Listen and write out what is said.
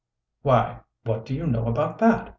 "Why, what do you know about that?"